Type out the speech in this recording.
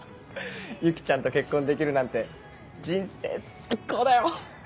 結季ちゃんと結婚できるなんて人生最高だよ！